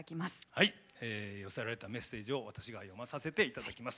寄せられたメッセージを私が読まさせていただきます。